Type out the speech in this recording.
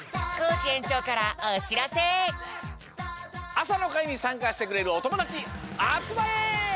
あさのかいにさんかしてくれるおともだちあつまれ！